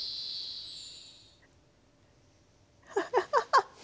ハハハハッ。